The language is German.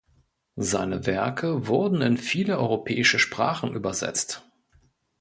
Seine Werke wurden in viele europäische Sprachen übersetzt.